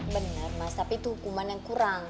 benar mas tapi itu hukuman yang kurang